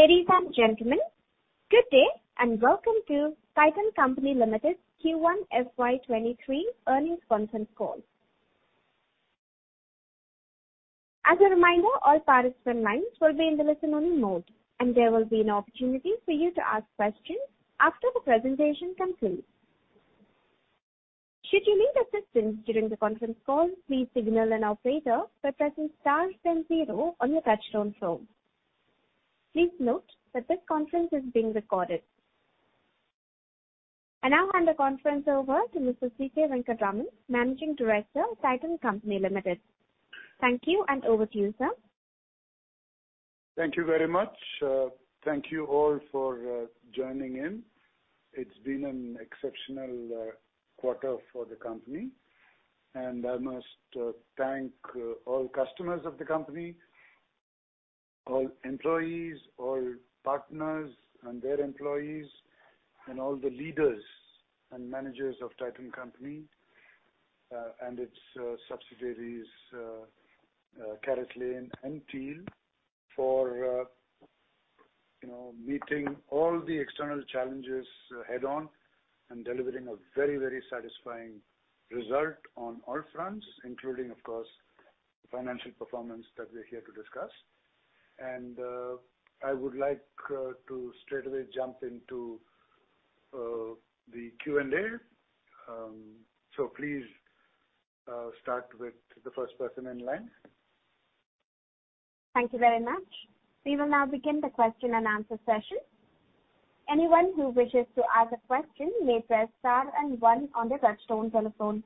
Ladies and gentlemen, good day, and welcome to Titan Company Limited's Q1 FY2023 earnings conference call. As a reminder, all participant lines will be in the listen-only mode, and there will be an opportunity for you to ask questions after the presentation concludes. Should you need assistance during the conference call, please signal an operator by pressing star then zero on your touch-tone phone. Please note that this conference is being recorded. I now hand the conference over to Mr. C. K. Venkataraman, Managing Director, Titan Company Limited. Thank you, and over to you, sir. Thank you very much. Thank you all for joining in. It's been an exceptional quarter for the company, and I must thank all customers of the company, all employees, all partners and their employees, and all the leaders and managers of Titan Company, and its subsidiaries, CaratLane and TEAL for you know, meeting all the external challenges head on and delivering a very, very satisfying result on all fronts, including, of course, the financial performance that we're here to discuss. I would like to straightaway jump into the Q&A. So please start with the first person in line. Thank you very much. We will now begin the question-and-answer session. Anyone who wishes to ask a question may press star and one on their touch-tone telephone.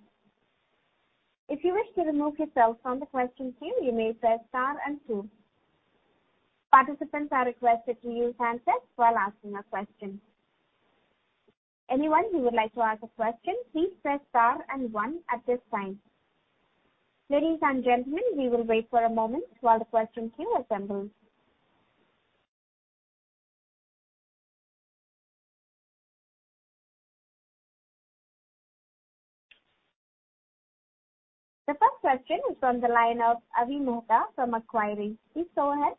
If you wish to remove yourself from the question queue, you may press star and two. Participants are requested to use handsets while asking a question. Anyone who would like to ask a question, please press star and one at this time. Ladies and gentlemen, we will wait for a moment while the question queue assembles. The first question is on the line of Avi Mehta from Macquarie. Please go ahead.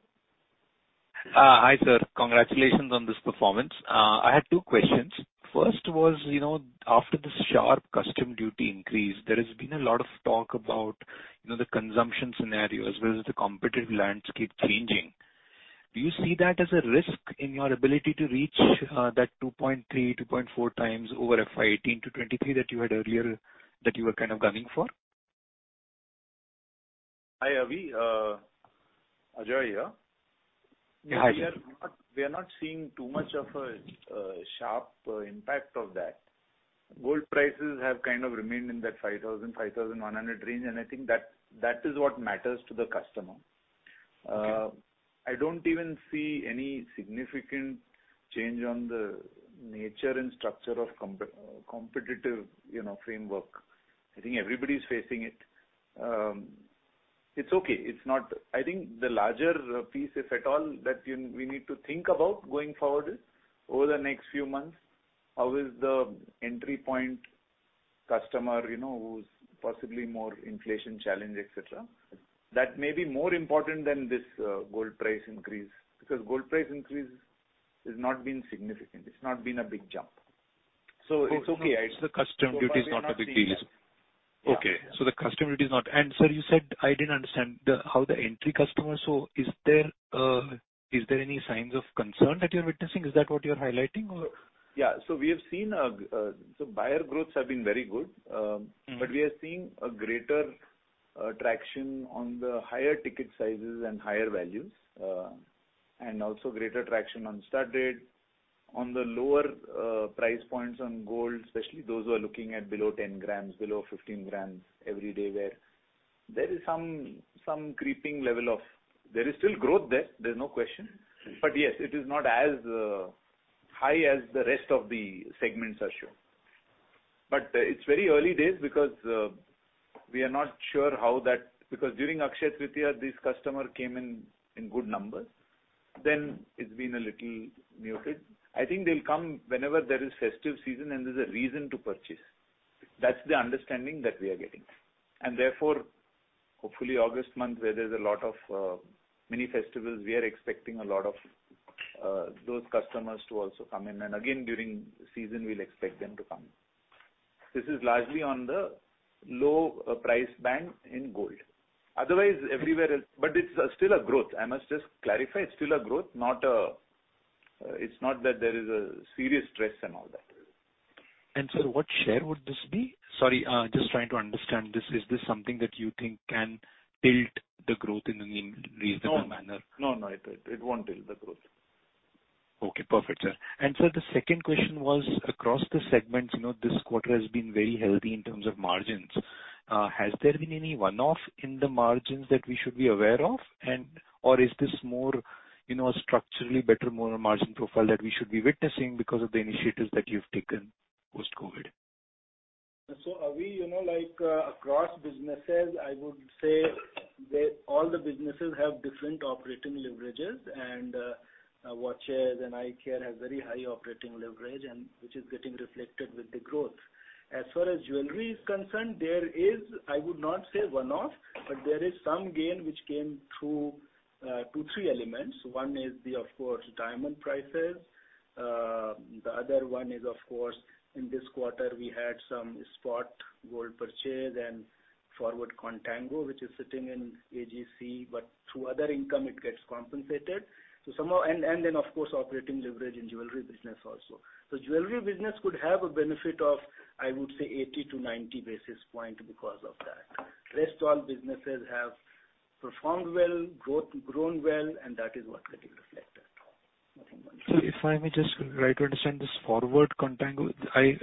Hi, sir. Congratulations on this performance. I have two questions. First was, you know, after this sharp customs duty increase, there has been a lot of talk about, you know, the consumption scenario as well as the competitive landscape changing. Do you see that as a risk in your ability to reach that 2.3-2.4 times over FY 2018 to 2023 that you had earlier, that you were kind of gunning for? Hi, Avi. Ajoy here. Hi. We are not seeing too much of a sharp impact of that. Gold prices have kind of remained in that 5,000-5,100 range, and I think that is what matters to the customer. Okay. I don't even see any significant change on the nature and structure of competitive, you know, framework. I think everybody's facing it. It's okay. It's not. I think the larger piece, if at all, that you, we need to think about going forward is over the next few months, how is the entry point customer, you know, who's possibly more inflation challenged, et cetera. That may be more important than this, gold price increase because gold price increase has not been significant. It's not been a big jump. It's okay. It's the customs duties not a big deal. Yeah. The customs duty is not. Sir, you said, I didn't understand the, how the entry customs. Is there any signs of concern that you're witnessing? Is that what you're highlighting or? Yeah. We have seen, so buyer growths have been very good. Mm-hmm. We are seeing a greater traction on the higher ticket sizes and higher values, and also greater traction on stud rate. On the lower price points on gold, especially those who are looking at below 10 grams, below 15 grams every day, where there is some creeping level. There is still growth there's no question. Yes, it is not as high as the rest of the segments I showed. It's very early days because we are not sure how that. Because during Akshaya Tritiya, these customers came in good numbers. Then it's been a little muted. I think they'll come whenever there is festive season and there's a reason to purchase. That's the understanding that we are getting. Therefore, hopefully August month where there's a lot of mini festivals, we are expecting a lot of those customers to also come in. Again, during season, we'll expect them to come. This is largely on the low price band in gold. Otherwise, everywhere else. But it's still a growth. I must just clarify, it's still a growth, not a, it's not that there is a serious stress and all that. Sir, what share would this be? Sorry, just trying to understand this. Is this something that you think can tilt the growth in a reasonable manner? No. It won't tilt the growth. Okay. Perfect, sir. Sir, the second question was across the segments, you know, this quarter has been very healthy in terms of margins. Has there been any one-off in the margins that we should be aware of and or is this more, you know, structurally better more margin profile that we should be witnessing because of the initiatives that you've taken post-COVID? Avi, you know, like, across businesses, I would say they, all the businesses have different operating leverages and, watches and eye care has very high operating leverage, and which is getting reflected with the growth. As far as jewelry is concerned, there is, I would not say one-off, but there is some gain which came through, 2, 3 elements. One is the, of course, diamond prices. The other one is, of course, in this quarter we had some spot gold purchase and forward contango, which is sitting in AGC, but through other income it gets compensated. So somehow. Then of course operating leverage in jewelry business also. Jewelry business could have a benefit of, I would say 80-90 basis points because of that. Rest all businesses have performed well, grown well, and that is what getting reflected. If I may just try to understand this forward contango.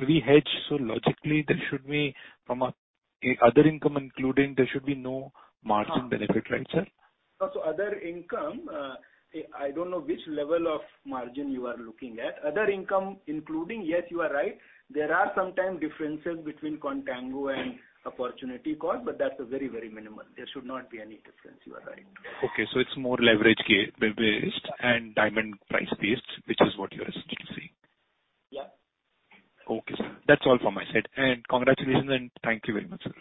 We hedge, so logically there should be no margin benefit. Uh- Right, sir? Other income, I don't know which level of margin you are looking at. Other income including, yes, you are right, there are sometimes differences between contango and opportunity cost, but that's a very, very minimal. There should not be any difference. You are right. Okay, it's more leverage gold-based and diamond price-based, which is what you are essentially saying. Yeah. Okay, sir. That's all from my side. Congratulations and thank you very much, sir.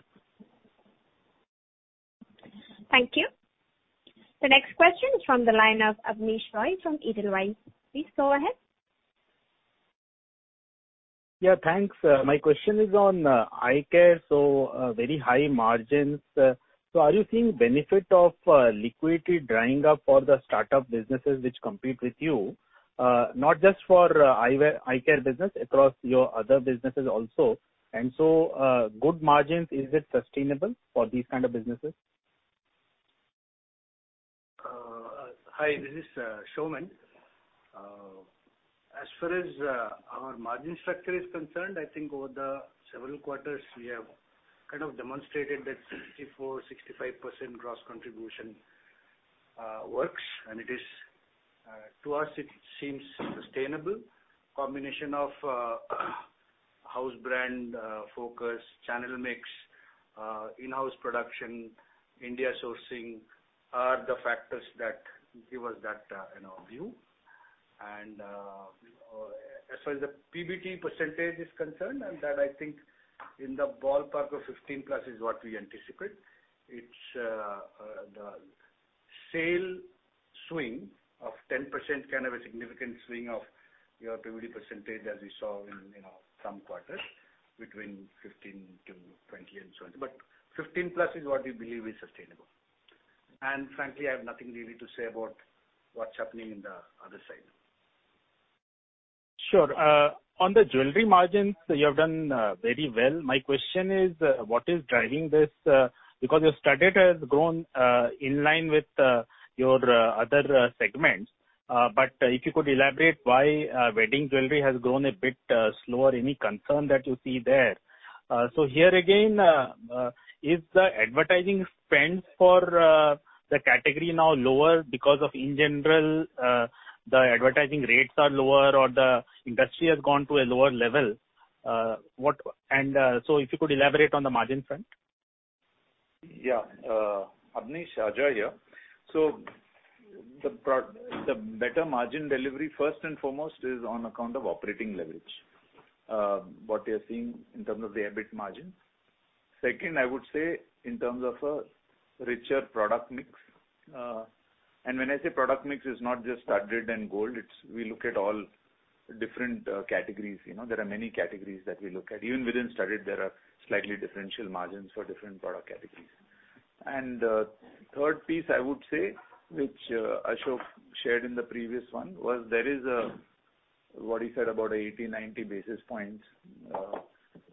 Thank you. The next question is from the line of Abneesh Roy from Edelweiss. Please go ahead. Yeah, thanks. My question is on eye care, so very high margins. Are you seeing benefit of liquidity drying up for the start-up businesses which compete with you? Not just for eye care business, across your other businesses also. Good margins, is it sustainable for these kind of businesses? Hi, this is Saumen. As far as our margin structure is concerned, I think over the several quarters we have kind of demonstrated that 64%-65% gross contribution works, and it is to us it seems sustainable. Combination of house brand focus, channel mix, in-house production, India sourcing are the factors that give us that, you know, view. As far as the PBT percentage is concerned, that I think in the ballpark of 15%+ is what we anticipate. It's the sale swing of 10% can have a significant swing of your PBT percentage as we saw in, you know, some quarters between 15%-20% and so on. Fifteen plus is what we believe is sustainable. Frankly, I have nothing really to say about what's happening in the other side. Sure. On the jewelry margins, you have done very well. My question is, what is driving this? Because your studded has grown in line with your other segments. If you could elaborate why wedding jewelry has grown a bit slower, any concern that you see there? Here again, is the advertising spends for the category now lower because in general the advertising rates are lower or the industry has gone to a lower level? If you could elaborate on the margin front. Yeah. Abneesh, Ajoy here. The better margin delivery first and foremost is on account of operating leverage, what we're seeing in terms of the EBIT margin. Second, I would say in terms of a richer product mix, and when I say product mix, it's not just studded and gold, it's we look at all different categories. You know, there are many categories that we look at. Even within studded, there are slightly differential margins for different product categories. Third piece I would say, which Ashok shared in the previous one, was there is a, what he said about 80, 90 basis points,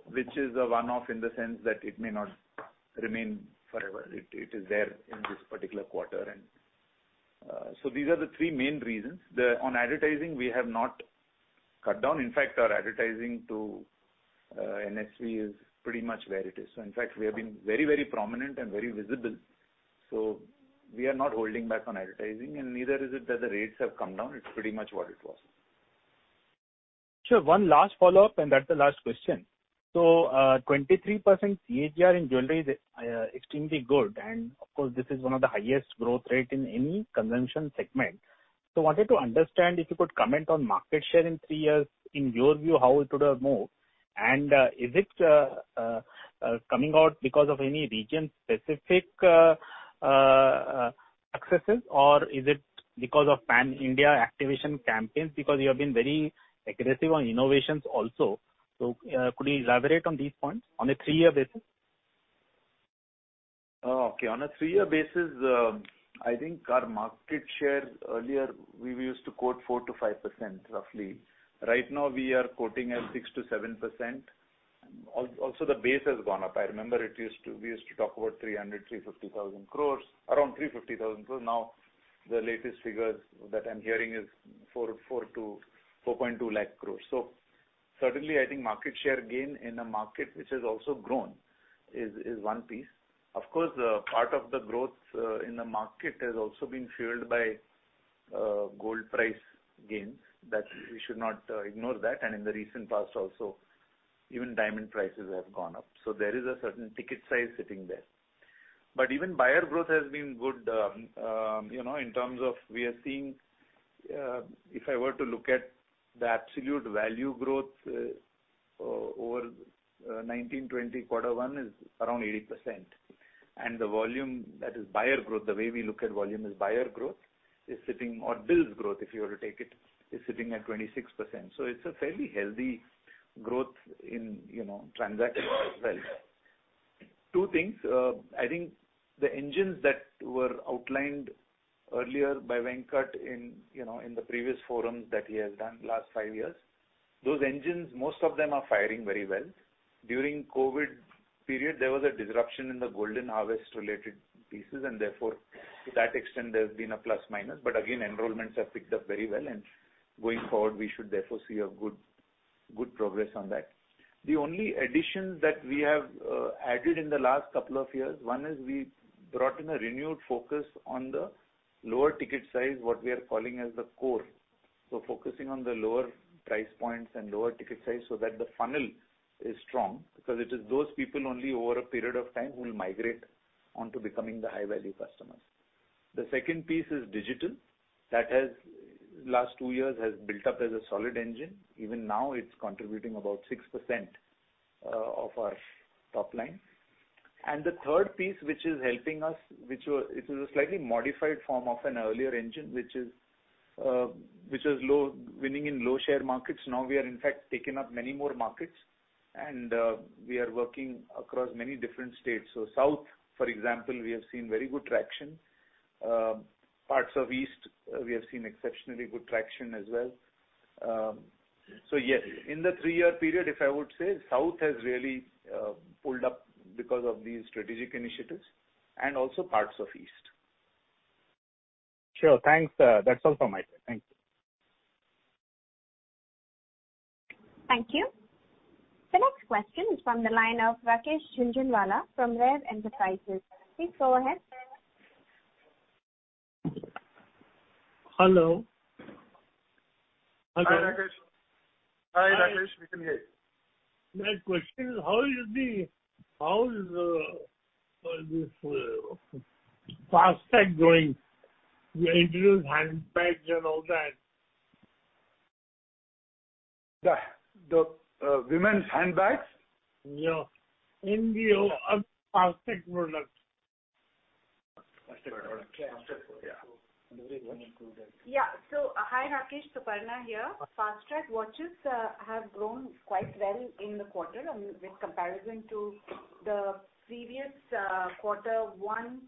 which is a one-off in the sense that it may not remain forever. It is there in this particular quarter. These are the three main reasons. On advertising, we have not cut down. In fact, our advertising to NSV is pretty much where it is. In fact, we have been very, very prominent and very visible. We are not holding back on advertising, and neither is it that the rates have come down. It's pretty much what it was. Sure. One last follow-up, and that's the last question. 23% CAGR in jewelry is extremely good. Of course, this is one of the highest growth rate in any consumption segment. Wanted to understand if you could comment on market share in three years, in your view, how it could have moved. Is it coming out because of any region-specific successes or is it because of pan-India activation campaigns? Because you have been very aggressive on innovations also. Could you elaborate on these points on a three-year basis? Oh, okay. On a three-year basis, I think our market share earlier we used to quote 4%-5%, roughly. Right now we are quoting at 6%-7%. Also the base has gone up. I remember We used to talk about 300-350 thousand crores, around 350 thousand crores. Now, the latest figures that I'm hearing is 4-4.2 lakh crores. Certainly I think market share gain in a market which has also grown is one piece. Of course, part of the growth in the market has also been fueled by gold price gains, that we should not ignore that. In the recent past also, even diamond prices have gone up. There is a certain ticket size sitting there. Even buyer growth has been good, you know, in terms of we are seeing, if I were to look at the absolute value growth, over 19-20 Q1 is around 80%. The volume that is buyer growth, the way we look at volume is buyer growth, is sitting or bills growth, if you were to take it, is sitting at 26%. It's a fairly healthy growth in, you know, transactions as well. Two things. I think the engines that were outlined earlier by Venkat in, you know, in the previous forums that he has done last five years, those engines, most of them are firing very well. During COVID period, there was a disruption in the Golden Harvest related pieces and therefore to that extent there's been a plus minus. Again, enrollments have picked up very well and going forward we should therefore see good progress on that. The only addition that we have added in the last couple of years, one is we brought in a renewed focus on the lower ticket size, what we are calling as the core. Focusing on the lower price points and lower ticket size so that the funnel is strong because it is those people only over a period of time who will migrate on to becoming the high value customers. The second piece is digital. That has in the last two years built up as a solid engine. Even now it's contributing about 6% of our top line. The third piece which is helping us is a slightly modified form of an earlier engine which is winning in low-share markets. Now we are in fact taking up many more markets and we are working across many different states. South, for example, we have seen very good traction. Parts of East, we have seen exceptionally good traction as well. In the three-year period, if I would say, South has really pulled up because of these strategic initiatives and also parts of East. Sure. Thanks. That's all from my side. Thank you. Thank you. The next question is from the line of Rakesh Jhunjhunwala from Rare Enterprises. Please go ahead. Hello. Hello. Hi, Rakesh. Hi, Rakesh. We can hear you. My question is how is this Fastrack going? You introduced handbags and all that. The women's handbags? Yeah. In the Fastrack product. Fastrack product. Yeah. Yeah. Hi, Rakesh. Suparna here. Fastrack watches have grown quite well in the quarter. I mean, in comparison to the previous quarter one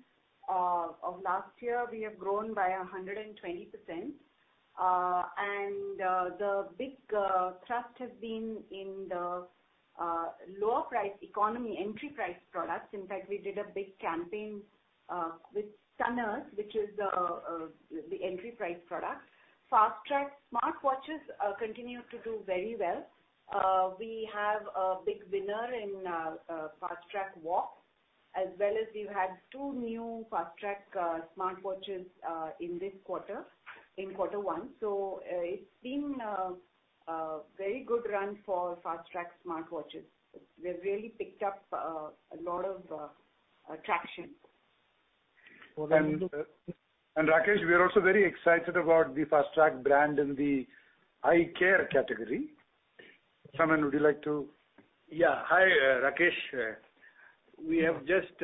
of last year, we have grown by 100%. The big thrust has been in the lower price economy, entry price products. In fact, we did a big campaign with Sonata, which is the entry price product. Fastrack smartwatches continue to do very well. We have a big winner in Fastrack Reflex, as well as we've had two new Fastrack smartwatches in this quarter, in quarter one. It's been a very good run for Fastrack smartwatches. We've really picked up a lot of traction. Rakesh, we are also very excited about the Fastrack brand in the EyeCare category. Saumen, would you like to? Yeah. Hi, Rakesh. We have just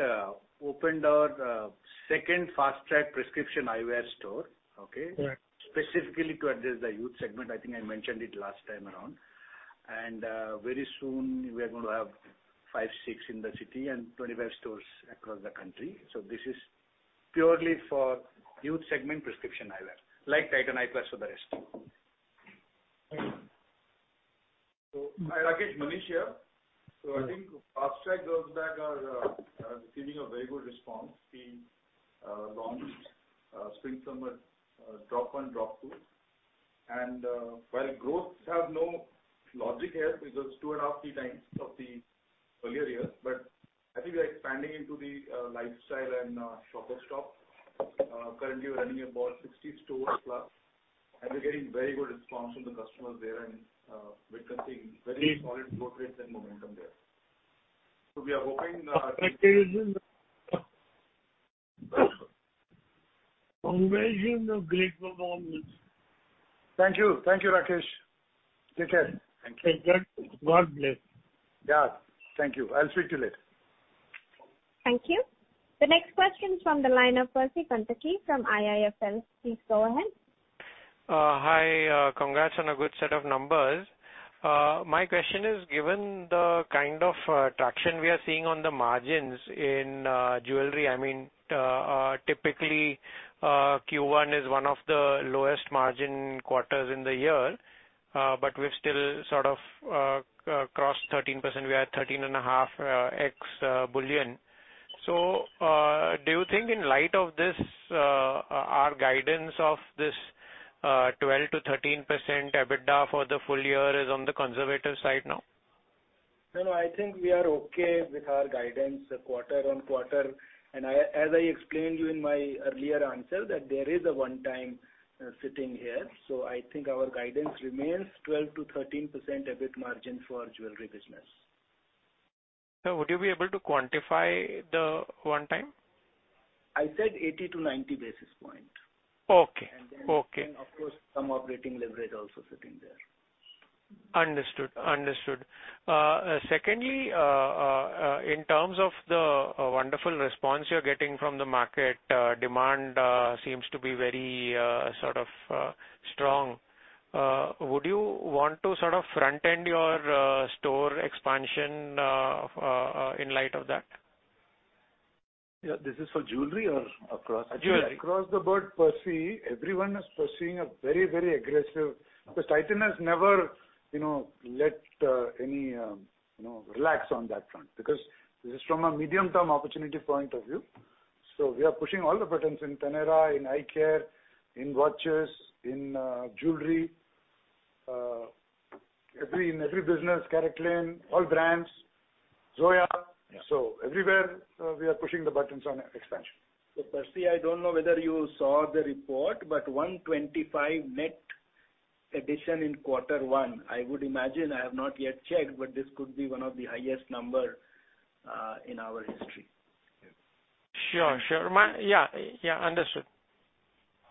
opened our second Fastrack prescription eyewear store, okay. Right. Specifically to address the youth segment. I think I mentioned it last time around. Very soon we are going to have 5, 6 in the city and 25 stores across the country. This is purely for youth segment prescription eyewear, like Titan Eye+ and the rest. Thank you. Hi Rakesh, Manish here. I think Fastrack girls bags are receiving a very good response. We launched spring summer drop one, drop two. While growth has no logic here because 2.5x-3x of the earlier years. I think we are expanding into the lifestyle and Shoppers Stop. Currently we're running about 60 stores plus, and we're getting very good response from the customers there and we're seeing very solid growth rates and momentum there. We are hoping. Amazing, amazing, great performance. Thank you. Thank you, Rakesh. Take care. Thank you. God bless. Yeah. Thank you. I'll speak to you later. Thank you. The next question is from the line of Percy Panthaki from IIFL. Please go ahead. Hi. Congrats on a good set of numbers. My question is, given the kind of traction we are seeing on the margins in jewelry, I mean, typically, Q1 is one of the lowest margin quarters in the year, but we've still sort of crossed 13%. We are 13.5 ex bullion. Do you think in light of this, our guidance of this 12%-13% EBITDA for the full year is on the conservative side now? No, no. I think we are okay with our guidance quarter-on-quarter. I, as I explained you in my earlier answer, that there is a one-time sitting here. I think our guidance remains 12%-13% EBIT margin for jewelry business. Sir, would you be able to quantify the one time? I said 80-90 basis point. Okay. Of course some operating leverage also sitting there. Understood. Secondly, in terms of the wonderful response you're getting from the market, demand seems to be very sort of strong. Would you want to sort of front-end your store expansion in light of that? Yeah. This is for jewelry or across. Ajoy. Across the board, Percy, everyone is pursuing a very, very aggressive. Because Titan has never, you know, let any you know relax on that front because this is from a medium-term opportunity point of view. We are pushing all the buttons in Taneira, in eye care, in watches, in jewelry. In every business, CaratLane, all brands, Zoya. Yeah. Everywhere, we are pushing the buttons on expansion. Percy, I don't know whether you saw the report, but 125 net addition in quarter one. I would imagine, I have not yet checked, but this could be one of the highest number in our history. Yes. Sure. Yeah, understood.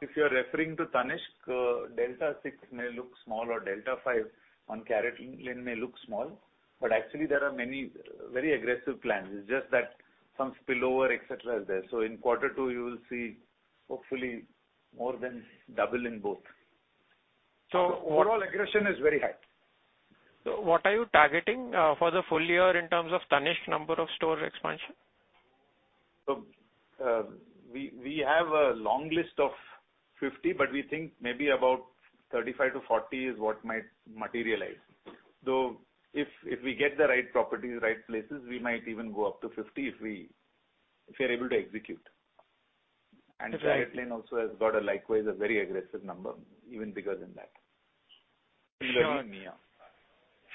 If you're referring to Tanishq, delta six may look small or delta five on CaratLane may look small, but actually there are many very aggressive plans. It's just that some spillover, et cetera, is there. In quarter two you will see hopefully more than double in both. So what- Overall aggression is very high. What are you targeting for the full year in terms of Tanishq number of store expansion? We have a long list of 50, but we think maybe about 35-40 is what might materialize. Though if we get the right properties, right places, we might even go up to 50 if we are able to execute. Okay. CaratLane also has got likewise a very aggressive number, even bigger than that. Sure. Similar to Mia.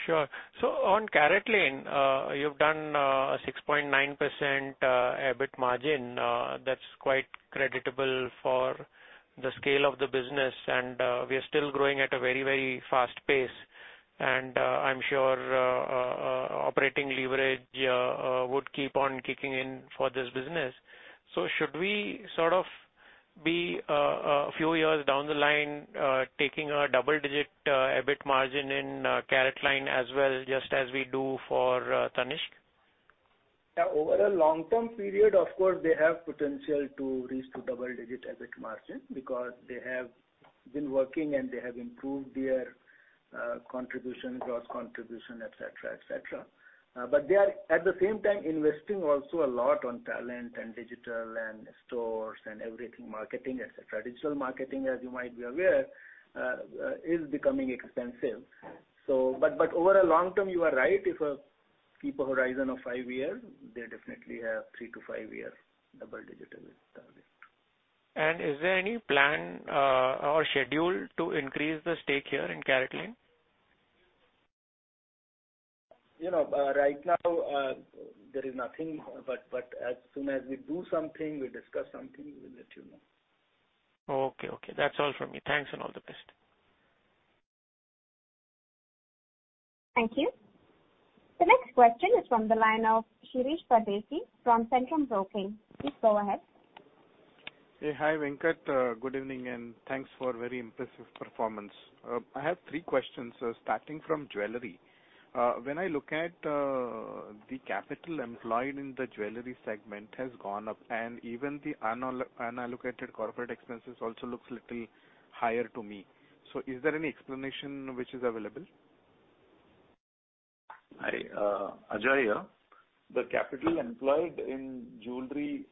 Sure. On CaratLane, you've done 6.9% EBIT margin. That's quite creditable for the scale of the business. We are still growing at a very, very fast pace, and I'm sure operating leverage would keep on kicking in for this business. Should we sort of be a few years down the line taking a double-digit EBIT margin in CaratLane as well, just as we do for Tanishq? Yeah. Over a long-term period, of course, they have potential to reach to double-digit EBIT margin because they have been working and they have improved their, contribution, gross contribution, et cetera, et cetera. They are at the same time investing also a lot on talent and digital and stores and everything, marketing, et cetera. Digital marketing, as you might be aware, is becoming expensive. Over a long term, you are right. If keep a horizon of 5 years, they definitely have 3-5 years double-digit EBIT target. Is there any plan or schedule to increase the stake here in CaratLane? You know, right now, there is nothing. As soon as we do something, we discuss something, we'll let you know. Okay. That's all from me. Thanks and all the best. Thank you. The next question is from the line of Shirish Pardeshi from Centrum Broking. Please go ahead. Hey. Hi, Venkat. Good evening and thanks for very impressive performance. I have three questions, starting from jewelry. When I look at the capital employed in the jewelry segment has gone up, and even the unallocated corporate expenses also looks little higher to me. Is there any explanation which is available? Hi. Ajoy here. The capital employed in jewelry,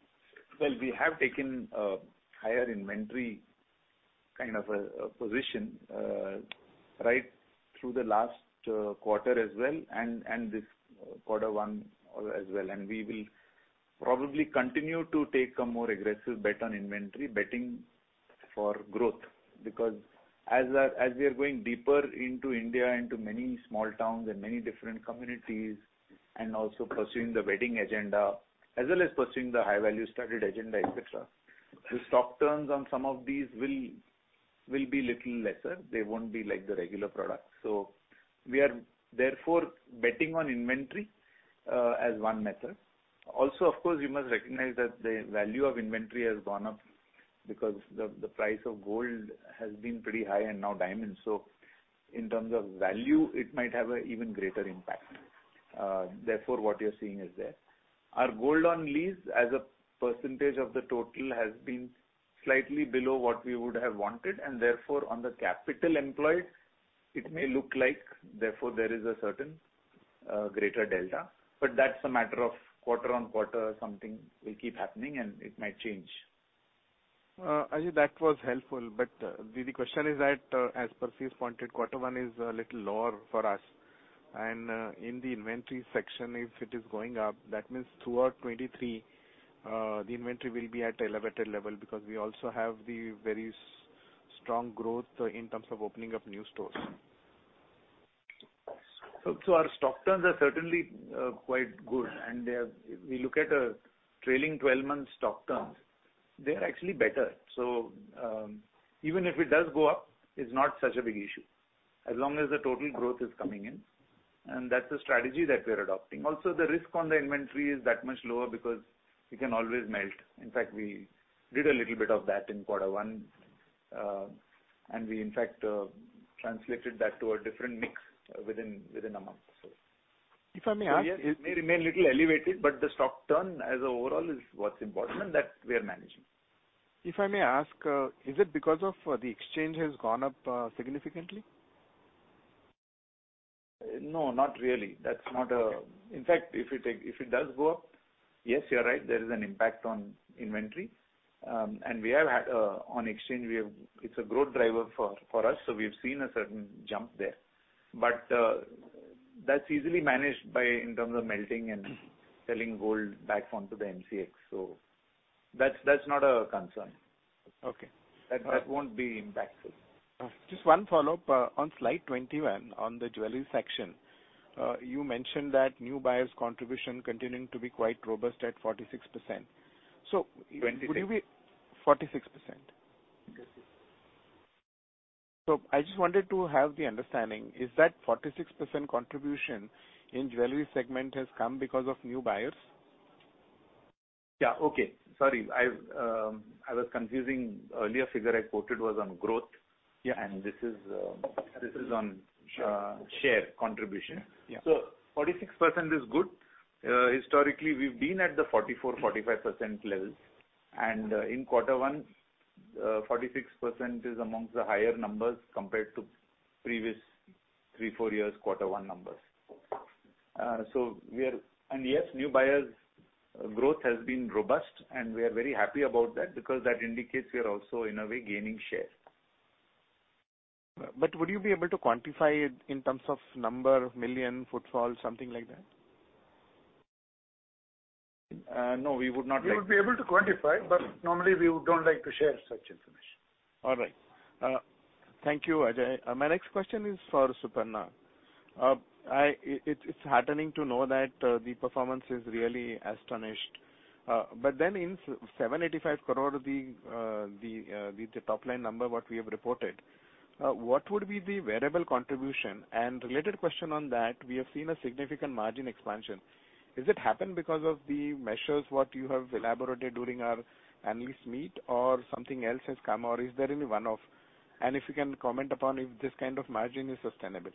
well, we have taken a higher inventory kind of a position, right through the last quarter as well, and this quarter one, as well. We will probably continue to take a more aggressive bet on inventory, betting for growth. Because as we are going deeper into India, into many small towns and many different communities, and also pursuing the wedding agenda, as well as pursuing the high-value strategy agenda, et cetera, the stock turns on some of these will be little lesser. They won't be like the regular product. We are therefore betting on inventory, as one method. Also, of course, you must recognize that the value of inventory has gone up because the price of gold has been pretty high, and now diamonds. In terms of value, it might have an even greater impact. Therefore what you're seeing is there. Our gold on lease as a percentage of the total has been slightly below what we would have wanted, and therefore on the capital employed it may look like therefore there is a certain, greater delta. That's a matter of quarter-on-quarter something will keep happening and it might change. Ajoy, that was helpful. The question is that as Percy has pointed, quarter one is a little lower for us. In the inventory section, if it is going up, that means throughout 2023, the inventory will be at an elevated level because we also have the very strong growth in terms of opening up new stores. Our stock turns are certainly quite good. They are, if we look at a trailing twelve-month stock turns, actually better. Even if it does go up, it's not such a big issue. As long as the total growth is coming in, and that's the strategy that we're adopting. Also, the risk on the inventory is that much lower because you can always melt. In fact, we did a little bit of that in quarter one. We in fact translated that to a different mix within a month. If I may ask. Yes, it may remain a little elevated, but the stock turn as overall is what's important, and that we are managing. If I may ask, is it because of the exchange has gone up significantly? No, not really. That's not Okay. In fact, if it does go up, yes, you're right, there is an impact on inventory. We have had on exchange. It's a growth driver for us, so we've seen a certain jump there. That's easily managed by in terms of melting and selling gold back onto the MCX. That's not a concern. Okay. That won't be impactful. Just one follow-up. On slide 21, on the jewelry section, you mentioned that new buyers' contribution continuing to be quite robust at 46%. 26%. 46%. Yes, yes. I just wanted to have the understanding. Is that 46% contribution in jewelry segment has come because of new buyers? Yeah. Okay. Sorry. I was confusing. Earlier figure I quoted was on growth. Yeah. And this is, uh, this is on- Sure. share contribution. Yeah. 46% is good. Historically, we've been at the 44%-45% levels. In quarter one, 46% is among the higher numbers compared to previous 3-4 years quarter one numbers. Yes, new buyers' growth has been robust, and we are very happy about that because that indicates we are also in a way gaining share. Would you be able to quantify it in terms of number of million footfall, something like that? No, We would be able to quantify, but normally we don't like to share such information. All right. Thank you, Ajoy. My next question is for Suparna. It's heartening to know that the performance is really astounding. But then in 785 crore, the top line number what we have reported, what would be the variable contribution? And related question on that, we have seen a significant margin expansion. Is it happened because of the measures what you have elaborated during our analyst meet or something else has come, or is there any one-off? And if you can comment upon if this kind of margin is sustainable.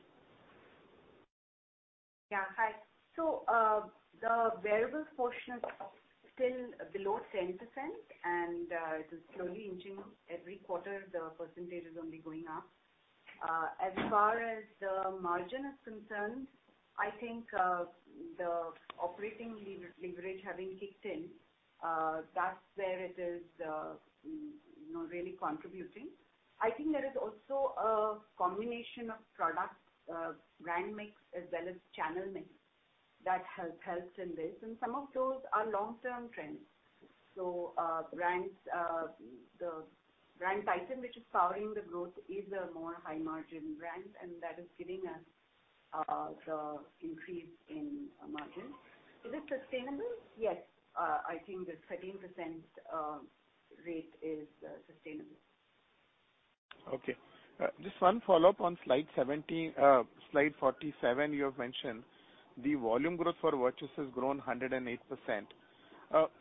Yeah. Hi. The variable portion is still below 10%, and it is slowly inching. Every quarter, the percentage is only going up. As far as the margin is concerned, I think, the operating leverage having kicked in, that's where it is, you know, really contributing. I think there is also a combination of products, brand mix as well as channel mix that helps in this, and some of those are long-term trends. Brands, the brand Titan, which is powering the growth, is a more high-margin brand, and that is giving us, the increase in margin. Is it sustainable? Yes. I think the 13% rate is sustainable. Okay. Just one follow-up on slide 70. Slide 47, you have mentioned the volume growth for watches has grown 108%.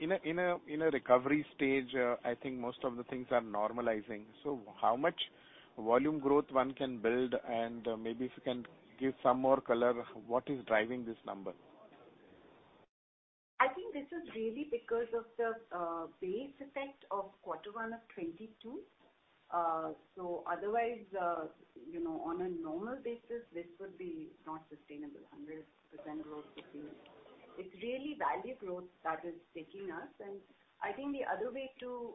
In a recovery stage, I think most of the things are normalizing. How much volume growth one can build? And maybe if you can give some more color, what is driving this number? I think this is really because of the base effect of quarter one of 2022. Otherwise, you know, on a normal basis, this would be not sustainable. 100% growth would be. It's really value growth that is taking us. I think the other way to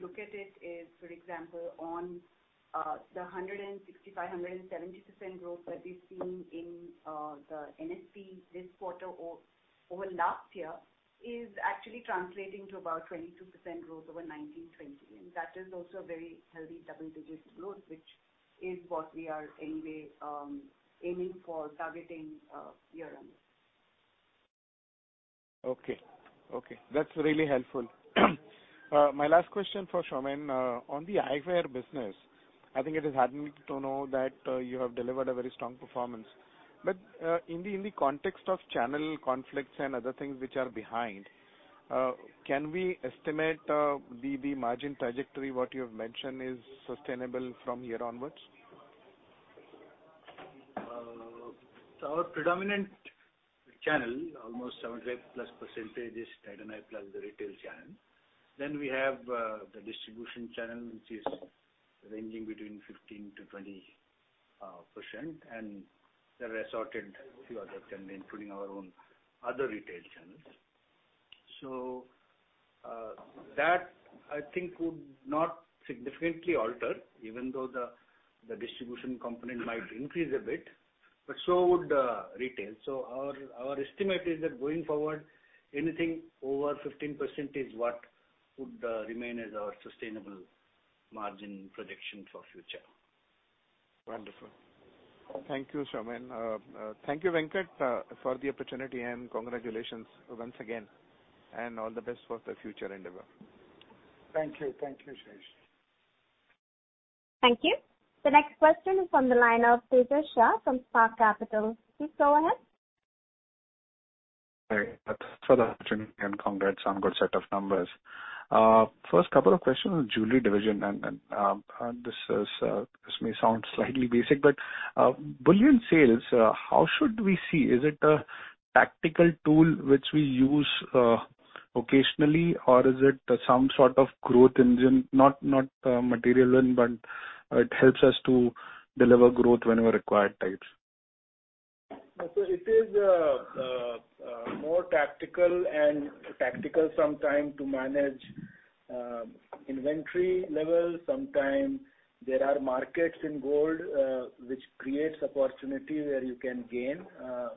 look at it is, for example, on the 165%-170% growth that we've seen in the NSV this quarter or over last year is actually translating to about 22% growth over 2019-2020. That is also a very healthy double-digit growth, which is what we are anyway aiming for targeting year end. Okay. That's really helpful. My last question for Saumen. On the eyewear business, I think it is heartening to know that you have delivered a very strong performance. In the context of channel conflicts and other things which are behind, can we estimate the margin trajectory what you have mentioned is sustainable from here onwards? Our predominant channel, almost 70+% is Titan Eye+ the retail channel. We have the distribution channel which is ranging between 15%-20%, and the assorted few other channel, including our own other retail channels. That I think would not significantly alter, even though the distribution component might increase a bit, but so would retail. Our estimate is that going forward, anything over 15% is what would remain as our sustainable margin projection for future. Wonderful. Thank you, Saumen. Thank you, Venkat, for the opportunity, and congratulations once again, and all the best for the future endeavor. Thank you. Thank you, Shirish. Thank you. The next question is from the line of Tejash Shah from Spark Capital. Please go ahead. Hi. Thanks for the opportunity and congrats on good set of numbers. First couple of questions on jewelry division and this may sound slightly basic, but bullion sales, how should we see? Is it a tactical tool which we use occasionally, or is it some sort of growth engine, not material one, but it helps us to deliver growth when we're required to? No. It is more tactical and tactical sometimes to manage inventory levels. Sometimes there are markets in gold which creates opportunity where you can gain,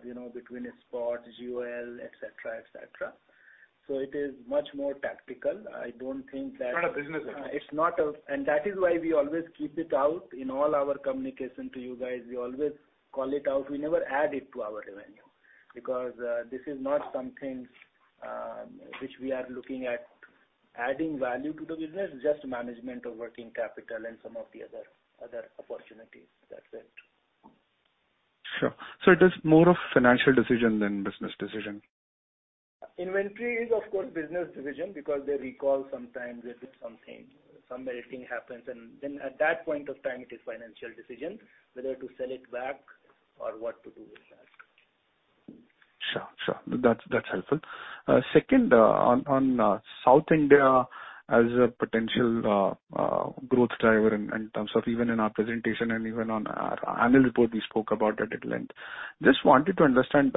you know, between a spot gold, et cetera, et cetera. It is much more tactical. I don't think that- It's not a business engine. That is why we always keep it out in all our communication to you guys. We always call it out. We never add it to our revenue because this is not something which we are looking at adding value to the business, just management of working capital and some of the other opportunities. That's it. Sure. It is more of financial decision than business decision. Inventory is of course business decision because they recall sometimes they did something, some auditing happens and then at that point of time it is financial decision whether to sell it back or what to do with that. Sure. That's helpful. Second, on South India as a potential growth driver in terms of even in our presentation and even on our annual report we spoke about it at length. Just wanted to understand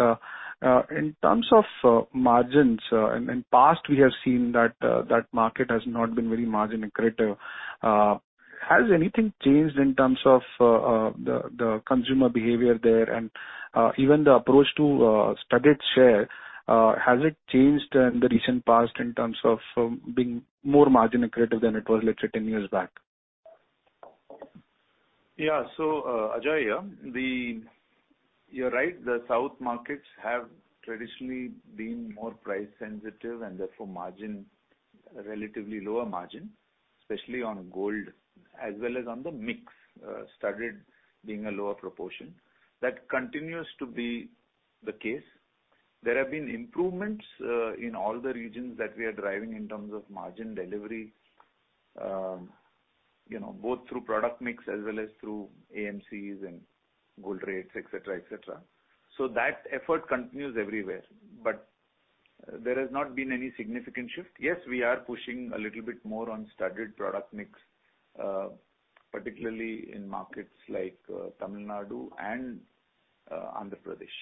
in terms of margins. In past we have seen that that market has not been very margin accretive. Has anything changed in terms of the consumer behavior there and even the approach to studded share. Has it changed in the recent past in terms of being more margin accretive than it was, let's say 10 years back? Ajoy, you're right. The South markets have traditionally been more price sensitive and therefore margin, relatively lower margin, especially on gold as well as on the mix, studded being a lower proportion. That continues to be the case. There have been improvements in all the regions that we are driving in terms of margin delivery, you know, both through product mix as well as through AMCs and gold rates, et cetera, et cetera. That effort continues everywhere. There has not been any significant shift. Yes, we are pushing a little bit more on studded product mix, particularly in markets like Tamil Nadu and Andhra Pradesh.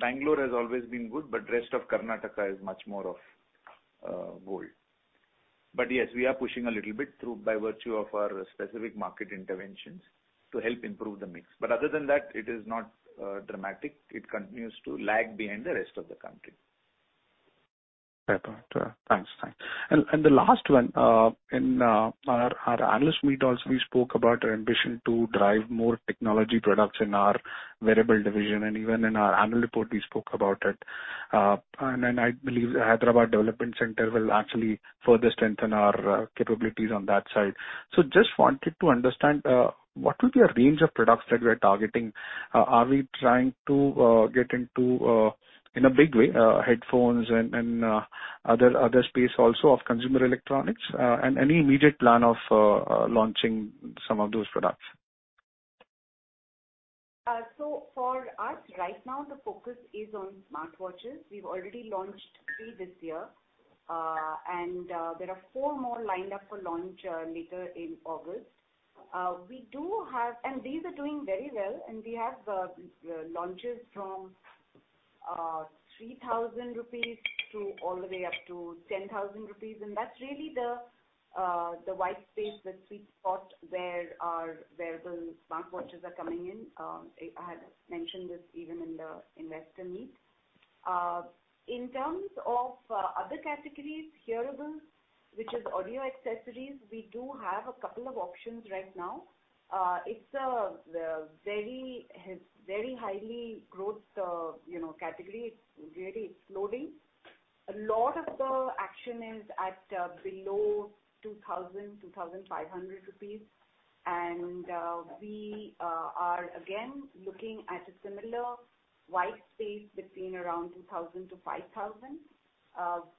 Bangalore has always been good, but rest of Karnataka is much more of gold. Yes, we are pushing a little bit through by virtue of our specific market interventions to help improve the mix. Other than that, it is not dramatic. It continues to lag behind the rest of the country. Fair point. Thanks. The last one, in our analyst meet also we spoke about our ambition to drive more technology products in our wearable division and even in our annual report we spoke about it. I believe Hyderabad Development Center will actually further strengthen our capabilities on that side. Just wanted to understand what will be our range of products that we're targeting. Are we trying to get into in a big way headphones and other space also of consumer electronics and any immediate plan of launching some of those products? For us right now the focus is on smartwatches. We've already launched 3 this year. There are 4 more lined up for launch later in August. We do have. These are doing very well, and we have launches from 3,000 rupees all the way up to 10,000 rupees. That's really the wide space, the sweet spot where our wearables smartwatches are coming in. I had mentioned this even in the investor meet. In terms of other categories, hearables, which is audio accessories, we do have a couple of options right now. It's very high growth, you know, category. It's really exploding. A lot of the action is at below 2,000, 2,500 rupees. We are again looking at a similar wide space between around 2,000-5,000.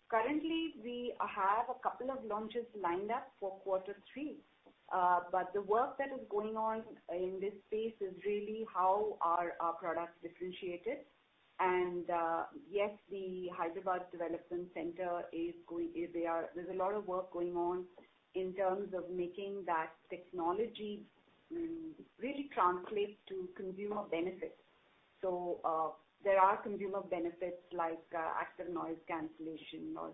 Currently we have a couple of launches lined up for quarter three. The work that is going on in this space is really how our products are differentiated. Yes, the Hyderabad Development Center is going. There is a lot of work going on in terms of making that technology really translate to consumer benefits. There are consumer benefits like active noise cancellation or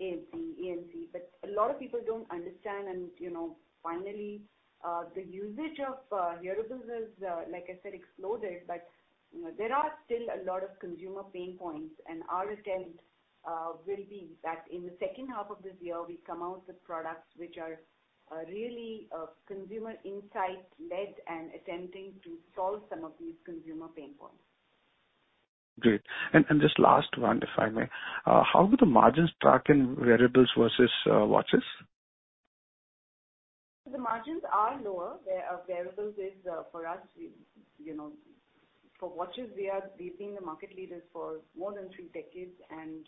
ANC. A lot of people do not understand and, you know, finally, the usage of hearables is, like I said, exploded. you know, there are still a lot of consumer pain points, and our attempt will be that in the second half of this year we come out with products which are really consumer insight led and attempting to solve some of these consumer pain points. Great. This last one, if I may. How do the margins track in wearables versus watches? The margins are lower. For watches, we are, we've been the market leaders for more than three decades, and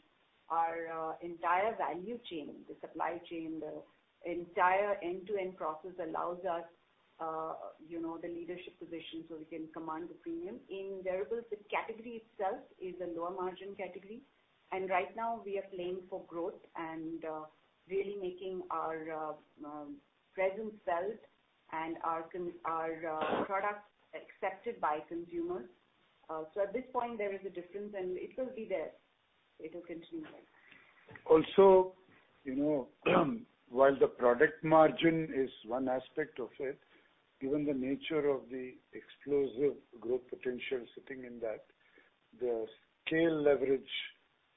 our entire value chain, the supply chain, the entire end-to-end process allows us, you know, the leadership position, so we can command a premium. In wearables, the category itself is a lower margin category. Right now we are playing for growth and really making our presence felt and our products accepted by consumers. So at this point there is a difference, and it will be there. It will continue like that. You know, while the product margin is one aspect of it, given the nature of the explosive growth potential sitting in that, the scale leverage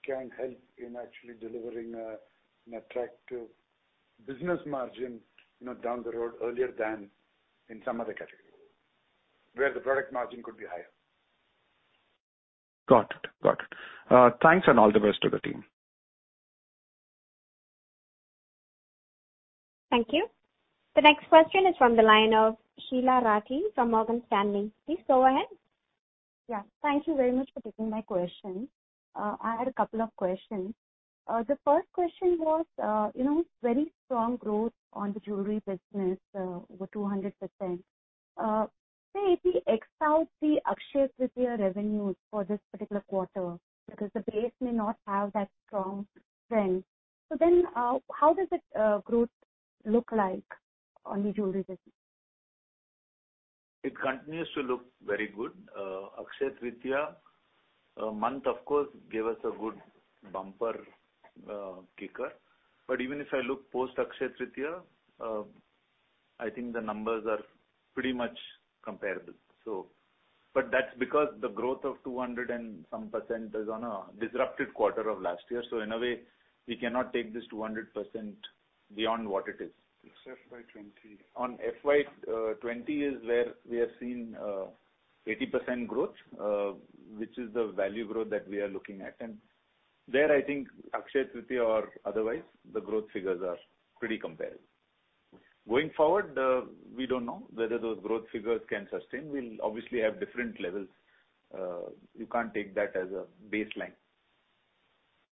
can help in actually delivering an attractive business margin, you know, down the road earlier than in some other category, where the product margin could be higher. Got it. Thanks, and all the best to the team. Thank you. The next question is from the line of Sheela Rathi from Morgan Stanley. Please go ahead. Yeah. Thank you very much for taking my question. I had a couple of questions. The first question was, you know, very strong growth on the jewelry business, over 200%. Say if we excise the Akshaya Tritiya revenues for this particular quarter, because the base may not have that strong trend, so then, how does the growth look like on the jewelry business? It continues to look very good. Akshaya Tritiya month of course gave us a good bumper kicker. Even if I look post Akshaya Tritiya, I think the numbers are pretty much comparable, so. That's because the growth of 200 and some % is on a disrupted quarter of last year. In a way, we cannot take this 200% beyond what it is. It's FY 2020. On FY 2020 is where we have seen 80% growth, which is the value growth that we are looking at. There I think Akshaya Tritiya or otherwise, the growth figures are pretty comparable. Going forward, we don't know whether those growth figures can sustain. We'll obviously have different levels. You can't take that as a baseline.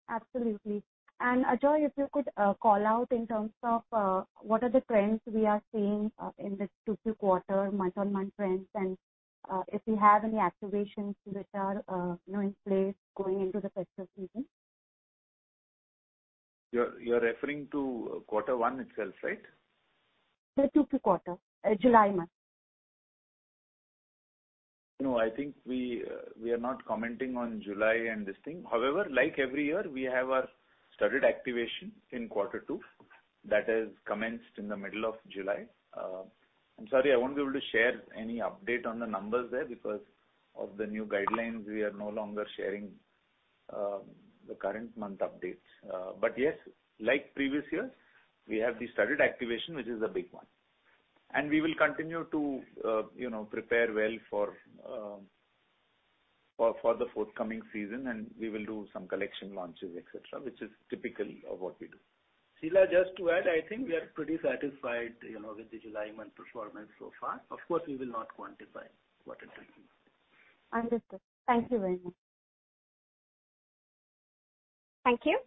Absolutely. Ajoy, if you could call out in terms of what are the trends we are seeing in this 2Q quarter, month-on-month trends, and if you have any activations which are, you know, in place going into the festive season. You're referring to quarter one itself, right? The 2Q quarter. July month. No, I think we are not commenting on July and this thing. However, like every year, we have our studded activation in quarter two. That has commenced in the middle of July. I'm sorry, I won't be able to share any update on the numbers there because of the new guidelines. We are no longer sharing the current month updates. But yes, like previous years, we have the studded activation, which is a big one. We will continue to you know, prepare well for the forthcoming season and we will do some collection launches, et cetera, which is typical of what we do. Sheela, just to add, I think we are pretty satisfied, you know, with the July month performance so far. Of course, we will not quantify what it is. Understood. Thank you very much. Thank you.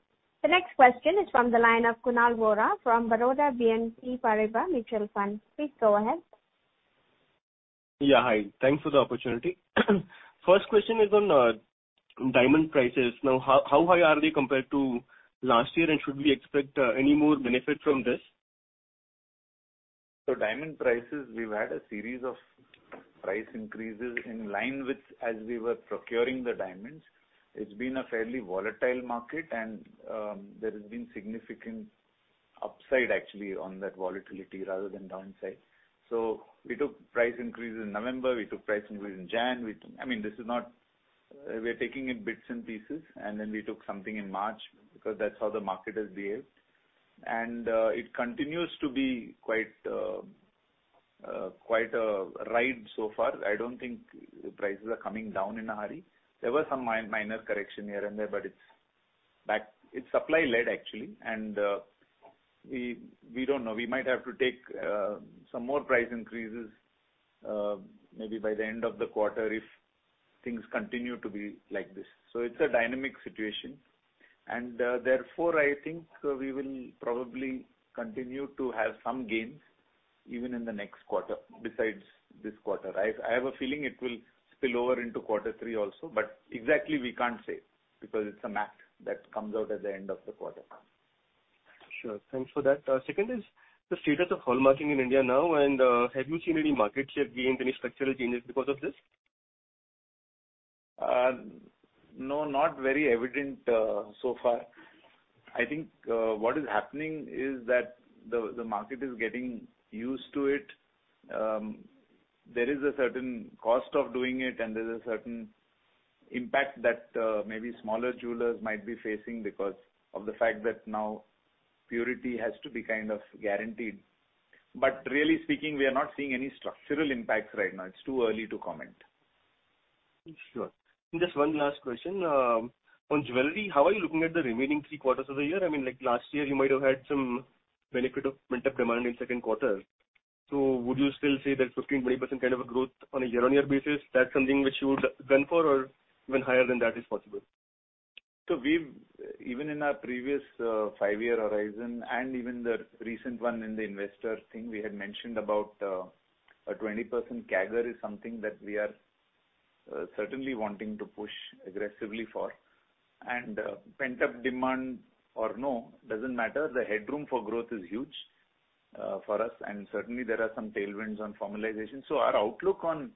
The next question is from the line of Kunal Vora from Baroda BNP Paribas Mutual Fund. Please go ahead. Yeah. Hi. Thanks for the opportunity. First question is on diamond prices. Now, how high are they compared to last year, and should we expect any more benefit from this? Diamond prices, we've had a series of price increases in line with, as we were procuring the diamonds. It's been a fairly volatile market and there has been significant upside actually on that volatility rather than downside. We took price increases in November, we took price increases in January, I mean, this is not, we're taking in bits and pieces, and then we took something in March because that's how the market has behaved. It continues to be quite a ride so far. I don't think prices are coming down in a hurry. There were some minor correction here and there, but it's back. It's supply led actually. We don't know. We might have to take some more price increases maybe by the end of the quarter if things continue to be like this. It's a dynamic situation, and therefore I think we will probably continue to have some gains even in the next quarter besides this quarter. I have a feeling it will spill over into quarter three also, but exactly we can't say because it's a math that comes out at the end of the quarter. Sure. Thanks for that. Second is the status of hallmarking in India now, and have you seen any market share gains, any structural changes because of this? No, not very evident so far. I think what is happening is that the market is getting used to it. There is a certain cost of doing it, and there's a certain impact that maybe smaller jewelers might be facing because of the fact that now purity has to be kind of guaranteed. Really speaking, we are not seeing any structural impacts right now. It's too early to comment. Sure. Just one last question. On jewelry, how are you looking at the remaining three quarters of the year? I mean, like last year, you might have had some benefit of pent-up demand in second quarter. Would you still say that 15%-20% kind of a growth on a year-on-year basis, that's something which you would went for or even higher than that is possible? Even in our previous, five-year horizon and even the recent one in the investor thing, we had mentioned about, a 20% CAGR is something that we are, certainly wanting to push aggressively for. Pent-up demand or no, doesn't matter. The headroom for growth is huge, for us, and certainly there are some tailwinds on formalization. Our outlook on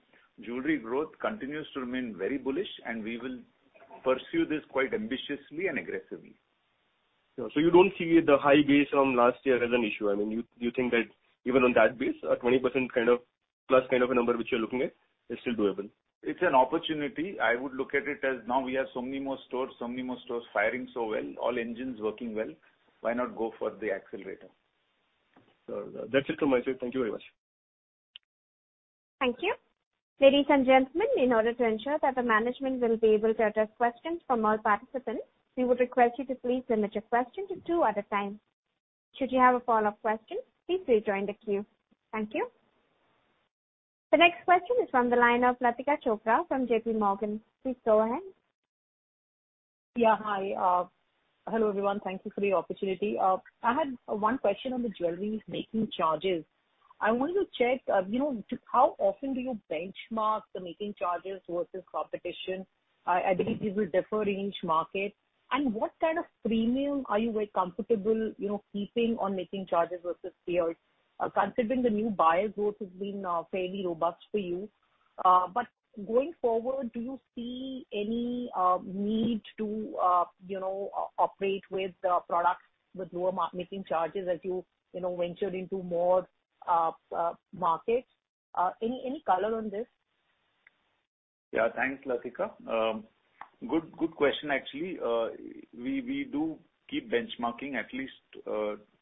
jewelry growth continues to remain very bullish, and we will pursue this quite ambitiously and aggressively. You don't see the high base from last year as an issue. I mean, you think that even on that base, a 20% kind of plus kind of a number which you're looking at is still doable. It's an opportunity. I would look at it as now we have so many more stores firing so well, all engines working well. Why not go for the accelerator? That's it from my side. Thank you very much. Thank you. Ladies and gentlemen, in order to ensure that the management will be able to address questions from all participants, we would request you to please limit your question to two at a time. Should you have a follow-up question, please re-join the queue. Thank you. The next question is from the line of Latika Chopra from JPMorgan. Please go ahead. Yeah. Hi. Hello, everyone. Thank you for the opportunity. I had one question on the jewelry making charges. I want to check, you know, how often do you benchmark the making charges versus competition? I believe this will differ in each market. What kind of premium are you very comfortable, you know, keeping on making charges versus peers? Considering the new buyer growth has been fairly robust for you. Going forward, do you see any need to, you know, operate with the products with lower making charges as you know, venture into more markets? Any color on this? Yeah. Thanks, Latika. Good question actually. We do keep benchmarking at least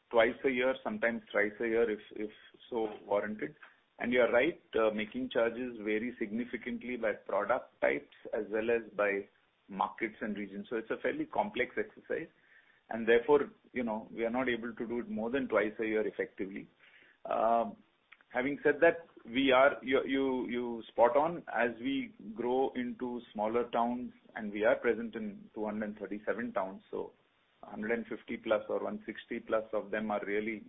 twice a year, sometimes thrice a year if so warranted. You are right, making charges vary significantly by product types as well as by markets and regions. It's a fairly complex exercise, and therefore, you know, we are not able to do it more than twice a year effectively. Having said that, you're spot on as we grow into smaller towns, and we are present in 237 towns, so 150 plus or 160 plus of them are really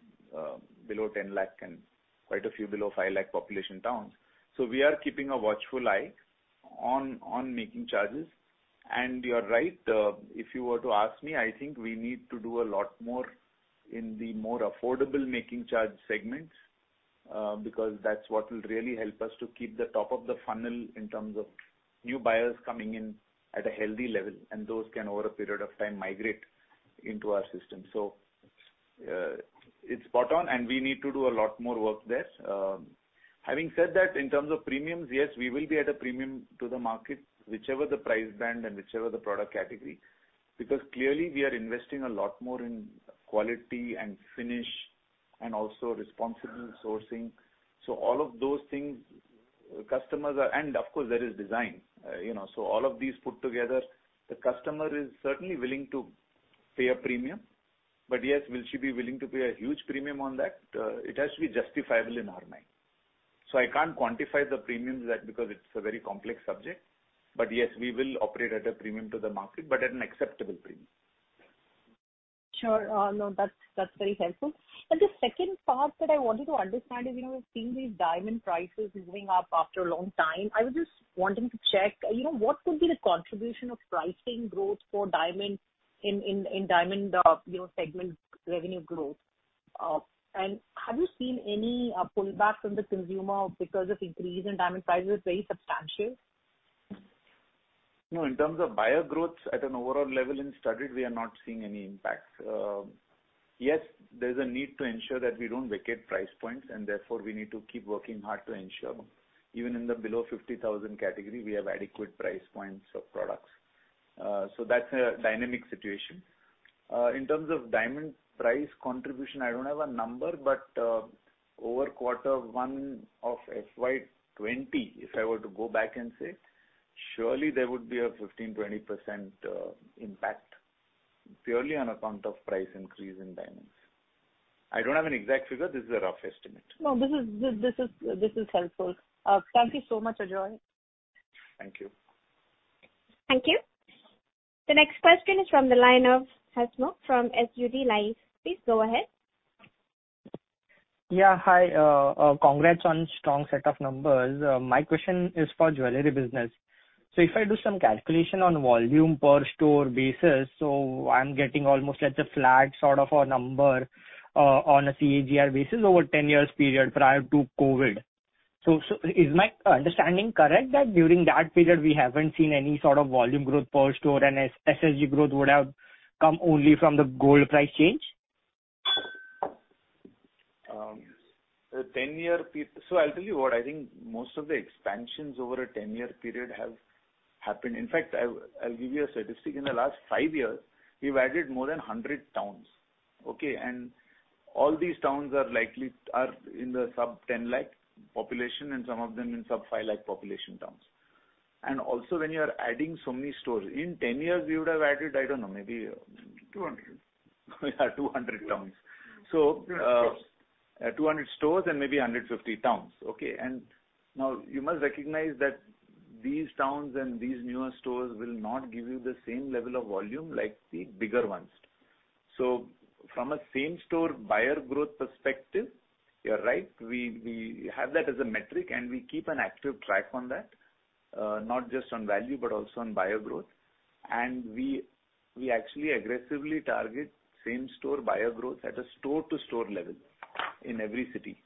below 10 lakh and quite a few below 5 lakh population towns. We are keeping a watchful eye on making charges. You're right. If you were to ask me, I think we need to do a lot more in the more affordable making charge segments, because that's what will really help us to keep the top of the funnel in terms of new buyers coming in at a healthy level, and those can, over a period of time, migrate into our system. It's spot on, and we need to do a lot more work there. Having said that, in terms of premiums, yes, we will be at a premium to the market, whichever the price band and whichever the product category. Because clearly we are investing a lot more in quality and finish and also responsible sourcing. All of those things customers are, and of course there is design, you know. All of these put together, the customer is certainly willing to pay a premium. Yes, will she be willing to pay a huge premium on that? It has to be justifiable in her mind. I can't quantify the premiums that because it's a very complex subject. Yes, we will operate at a premium to the market, but at an acceptable premium. Sure. No, that's very helpful. The second part that I wanted to understand is, you know, seeing these diamond prices moving up after a long time, I was just wanting to check, you know, what could be the contribution of pricing growth for diamond in diamond segment revenue growth? Have you seen any pullback from the consumer because of increase in diamond prices very substantial? No, in terms of buyer growth at an overall level in studded we are not seeing any impact. Yes, there's a need to ensure that we don't vacate price points, and therefore we need to keep working hard to ensure even in the below ₹50,000 category, we have adequate price points of products. That's a dynamic situation. In terms of diamond price contribution, I don't have a number, but over quarter 1 of FY 2020, if I were to go back and say, surely there would be a 15%-20% impact purely on account of price increase in diamonds. I don't have an exact figure. This is a rough estimate. No, this is helpful. Thank you so much, Ajoy. Thank you. Thank you. The next question is from the line of Hasmukh from SUD Life. Please go ahead. Yeah. Hi. Congrats on strong set of numbers. My question is for jewelry business. If I do some calculation on volume per store basis, I'm getting almost like a flat sort of a number on a CAGR basis over 10 years period prior to COVID. Is my understanding correct that during that period we haven't seen any sort of volume growth per store and SLG growth would have come only from the gold price change? I'll tell you what. I think most of the expansions over a 10-year period have happened. In fact, I'll give you a statistic. In the last 5 years, we've added more than 100 towns. Okay? All these towns are in the sub-10 lakh population, and some of them in sub-5 lakh population towns. When you are adding so many stores, in 10 years we would have added, I don't know, maybe- 200. 200 towns. Yes, sure. 200 stores and maybe 150 towns. Okay? Now you must recognize that these towns and these newer stores will not give you the same level of volume like the bigger ones. From a same-store buyer growth perspective, you're right, we have that as a metric and we keep an active track on that, not just on value, but also on buyer growth. We actually aggressively target same-store buyer growth at a store-to-store level in every city.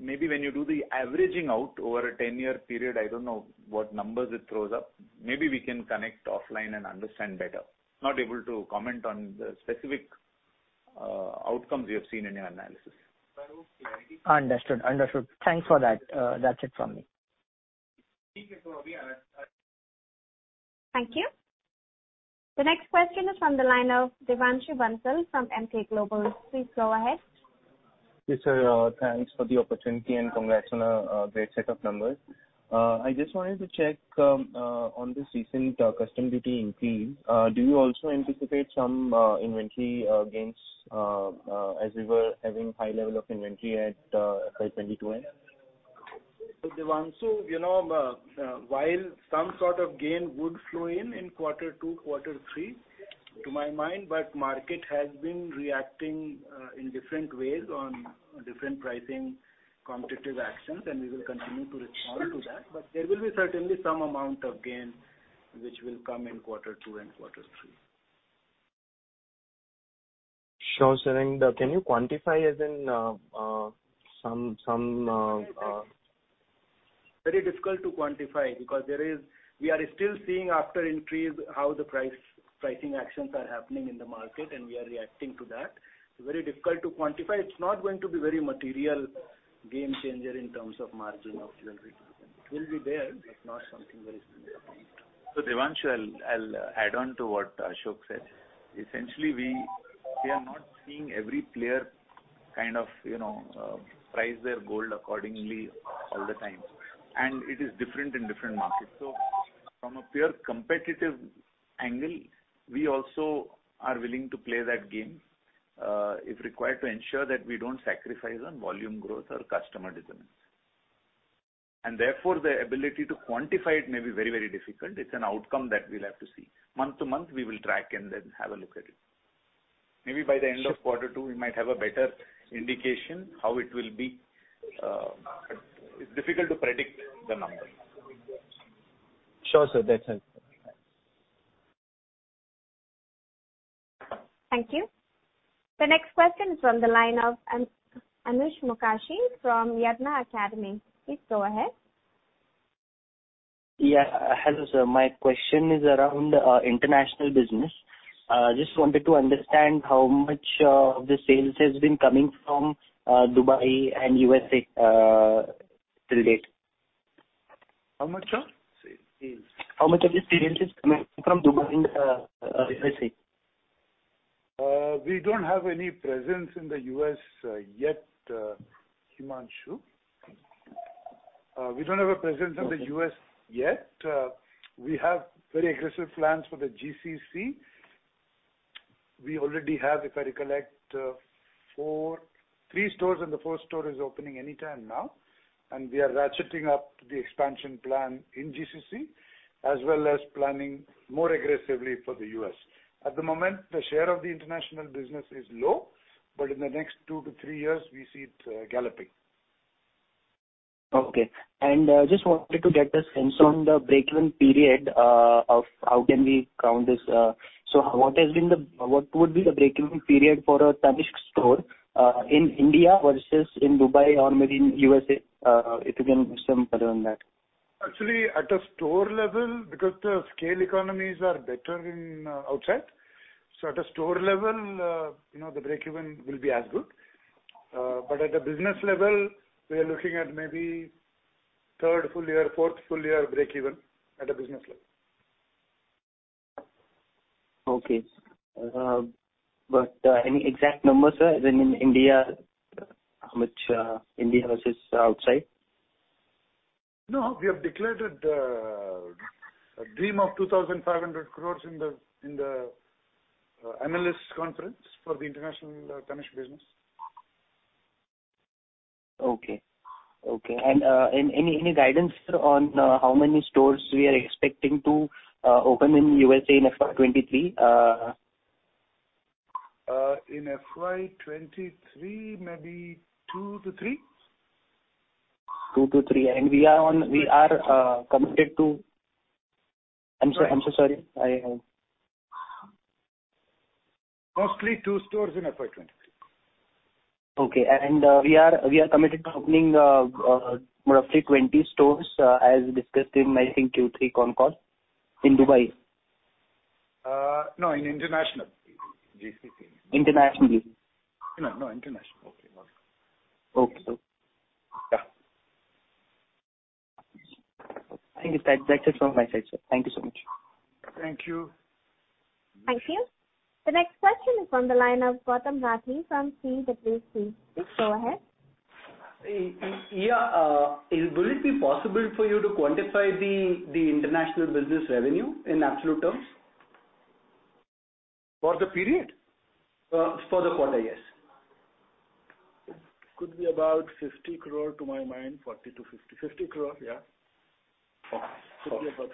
Maybe when you do the averaging out over a ten-year period, I don't know what numbers it throws up. Maybe we can connect offline and understand better. Not able to comment on the specific outcomes we have seen in your analysis. Understood. Thanks for that. That's it from me. Thank you. The next question is from the line of Devanshu Bansal from Emkay Global. Please go ahead. Yes, sir. Thanks for the opportunity and congrats on a great set of numbers. I just wanted to check on the recent customs duty increase. Do you also anticipate some inventory gains as you were having high level of inventory at FY 2022 end? Devanshu, you know, while some sort of gain would flow in quarter two, quarter three, to my mind, but market has been reacting in different ways on different pricing competitive actions, and we will continue to respond to that. There will be certainly some amount of gain which will come in quarter two and quarter three. Sure, sir. Can you quantify as in, some Very difficult to quantify. We are still seeing after increase how the pricing actions are happening in the market, and we are reacting to that. It's very difficult to quantify. It's not going to be very material game changer in terms of margin optimization. It will be there, but not something very significant. Devanshi, I'll add on to what Ashok said. Essentially, we are not seeing every player kind of, you know, price their gold accordingly all the time. It is different in different markets. From a pure competitive angle, we also are willing to play that game, if required, to ensure that we don't sacrifice on volume growth or customer determinants. Therefore, the ability to quantify it may be very, very difficult. It's an outcome that we'll have to see. Month to month we will track and then have a look at it. Maybe by the end of quarter two, we might have a better indication how it will be, but it's difficult to predict the numbers. Sure, sir. That helps. Thanks. Thank you. The next question is from the line of Anush Mokashi from Yadnya Academy. Please go ahead. Yeah. Hello, sir. My question is around international business. Just wanted to understand how much of the sales has been coming from Dubai and USA till date. How much of? Sales. How much of the sales is coming from Dubai and USA? We don't have any presence in the U.S., Himanshu. We don't have a presence in the U.S. yet. We have very aggressive plans for the GCC. We already have, if I recollect, three stores, and the fourth store is opening anytime now. We are ratcheting up the expansion plan in GCC, as well as planning more aggressively for the U.S. At the moment, the share of the international business is low, but in the next two to three years we see it galloping. Okay. Just wanted to get a sense on the break-even period of how can we count this. What would be the break-even period for a Tanishq store in India versus in Dubai or maybe in USA, if you can give some color on that. Actually, at a store level, because the scale economies are better in outside. At a store level, you know, the break-even will be as good. At a business level, we are looking at maybe third full year, fourth full year break-even at a business level. Okay. Any exact numbers, sir, when in India, how much, India versus outside? No, we have declared it a dream of 2,500 crores in the analyst conference for the international Tanishq business. Any guidance on how many stores we are expecting to open in USA in FY 2023? In FY2023, maybe 2 to 3. 2-3. We are committed to. I'm so sorry. I Mostly two stores in FY 2023. Okay. We are committed to opening roughly 20 stores, as discussed in, I think, Q3 concall in Dubai. No, in international GCC. International business. No, no, international. Okay. Got it. Okay. Yeah. I think that's it from my side, sir. Thank you so much. Thank you. Thank you. The next question is on the line of Gautam Rathi from CWC. Please go ahead. Yeah. Will it be possible for you to quantify the international business revenue in absolute terms? For the period? For the quarter, yes. Could be about 50 crore to my mind. 40 crore-50 crore. 50 crore, yeah. Okay. Should be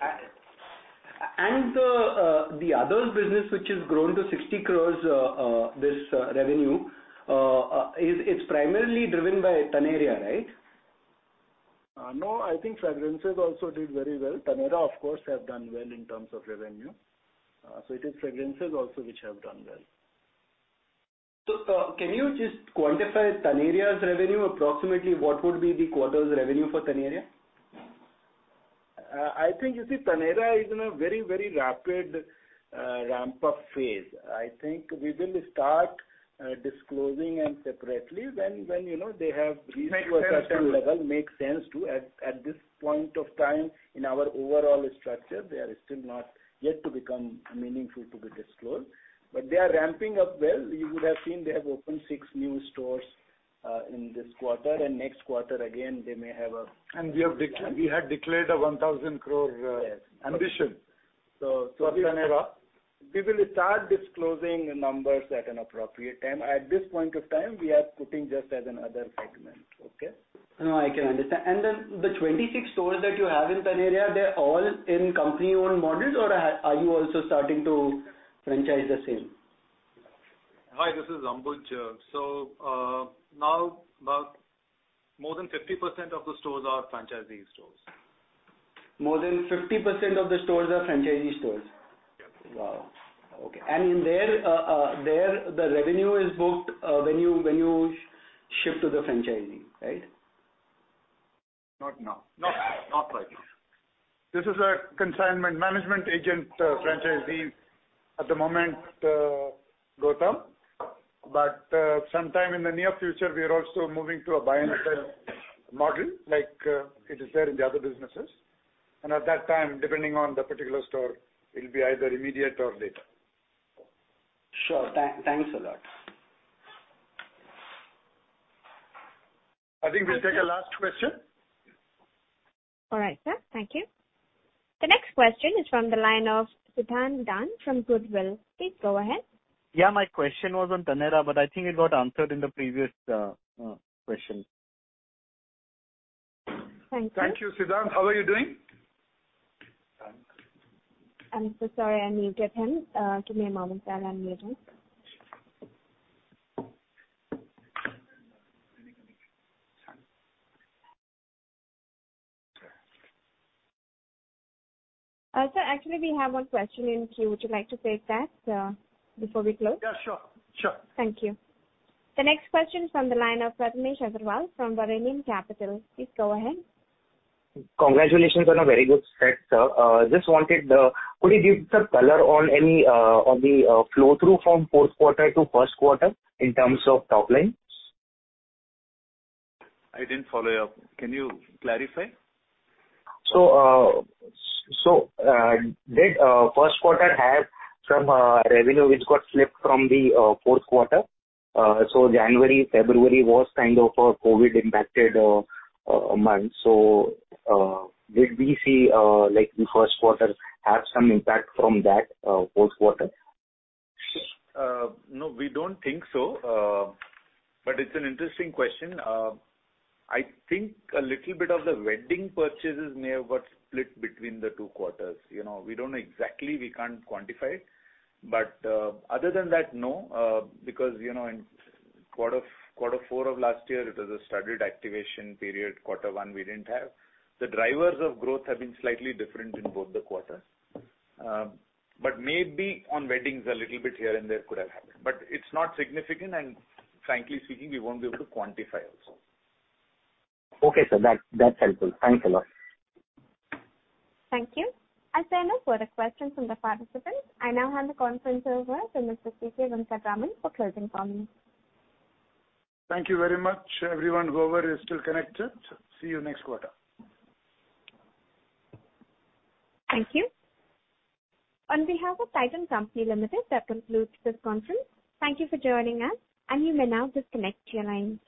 approximately. The other business which has grown to 60 crores, this revenue is primarily driven by Taneira, right? No, I think fragrances also did very well. Taneira, of course, have done well in terms of revenue. It is fragrances also which have done well. Can you just quantify Taneira's revenue? Approximately what would be the quarter's revenue for Taneira? I think you see Taneira is in a very, very rapid ramp-up phase. I think we will start disclosing them separately when, you know, they have. Makes sense, yeah. reached to a certain level, make sense to. At this point of time in our overall structure, they are still not yet to become meaningful to be disclosed. They are ramping up well. You would have seen they have opened 6 new stores in this quarter and next quarter again, they may have. We have declared, we had declared a 1,000 crore ambition. Yes. For Taneira, we will start disclosing numbers at an appropriate time. At this point of time, we are putting just as another segment. Okay? No, I can understand. The 26 stores that you have in Taneira, they're all in company-owned models or are you also starting to franchise the same? Hi, this is Ambuj. Now about more than 50% of the stores are franchisee stores. More than 50% of the stores are franchisee stores? Yes. Wow. Okay. In there, the revenue is booked when you shift to the franchisee, right? Not now. Not right now. This is a consignment management agent, franchisee at the moment, Gautam. Sometime in the near future, we are also moving to a buy and sell model like, it is there in the other businesses. At that time, depending on the particular store, it'll be either immediate or later. Sure. Thanks a lot. I think we'll take a last question. All right, sir. Thank you. The next question is from the line of Siddhant Dand from Goodwill. Please go ahead. Yeah, my question was on Taneira, but I think it got answered in the previous question. Thank you. Thank you, Siddhant. How are you doing? I'm so sorry I muted him. Give me a moment there. I unmuted him. Sir, actually we have one question in queue. Would you like to take that before we close? Yeah, sure. Sure. Thank you. The next question is from the line of Prathmesh Agrawal from Varanium Capital. Please go ahead. Congratulations on a very good set, sir. Could you give some color on the flow-through from fourth quarter to first quarter in terms of top line? I didn't follow you. Can you clarify? Did first quarter have some revenue which got slipped from the fourth quarter? January, February was kind of a COVID impacted month. Did we see like the first quarter have some impact from that fourth quarter? No, we don't think so. It's an interesting question. I think a little bit of the wedding purchases may have got split between the two quarters. You know, we don't know exactly. We can't quantify it. Other than that, no. Because, you know, in quarter four of last year, it was a staggered activation period. Quarter one, we didn't have. The drivers of growth have been slightly different in both the quarters. Maybe on weddings a little bit here and there could have happened, but it's not significant, and frankly speaking, we won't be able to quantify also. Okay, sir. That's helpful. Thanks a lot. Thank you. As there are no further questions from the participants, I now hand the conference over to Mr. C. K. Venkataraman for closing comments. Thank you very much, everyone, whoever is still connected. See you next quarter. Thank you. On behalf of Titan Company Limited, that concludes this conference. Thank you for joining us, and you may now disconnect your lines.